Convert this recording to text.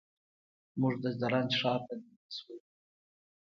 موږ د زرنج ښار ته دننه شولو.